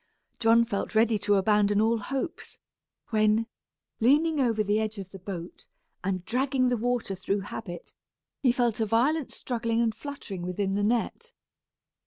John felt ready to abandon all hopes, when, leaning over the edge of the boat, and dragging the water through habit, he felt a violent struggling and fluttering within the net.